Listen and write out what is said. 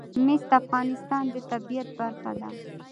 مس د افغانستان د طبیعت برخه ده.